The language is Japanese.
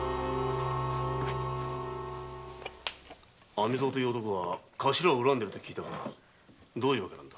網蔵という男がカシラを恨んでると聞いたがどういう訳なんだ？